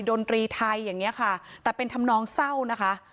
ดนตรีไทยอย่างเงี้ยค่ะแต่เป็นธรรมนองเศร้านะคะ